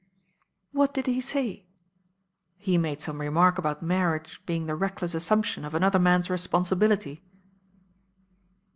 "What did he say?" "He made some remark about marriage being the reckless assumption of another man's responsibility."